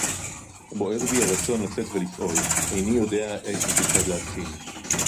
בּוֹעֵר בִּי הָרָצוֹן לָצֵאת וְלִפְעֹל. אֵינִי יוֹדֵעַ אֵיךְ וְכֵיצַד לְהַתְחִיל